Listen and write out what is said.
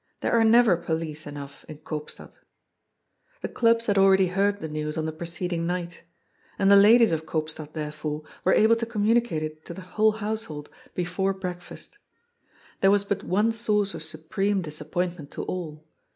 There are never police enough in Koopstad. The clubs had already heard the news on the preceding night And the ladies of Koopstad, therefore, were able to communicate it to the whole household before breakfast. There was but one source of supreme disappointment to all.